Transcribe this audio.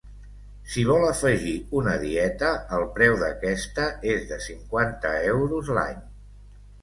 Si vol afegir una dieta, el preu d'aquesta és de cinquanta euros l'any.